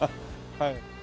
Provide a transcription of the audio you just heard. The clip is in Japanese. はい。